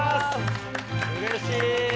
うれしい。